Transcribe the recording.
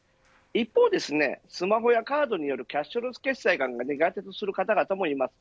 一方ですね、スマホやカードによるキャッシュレス決済が苦手とする方々もいます。